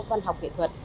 văn học yến